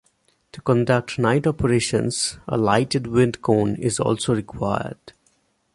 To conduct night operations a lighted wind cone is also required.